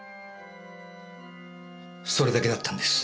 それだけだったんです。